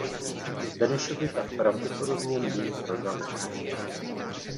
Benešovi pak pravděpodobně mlýn prodali.